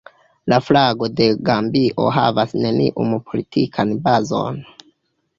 La flago de Gambio havas neniun politikan bazon.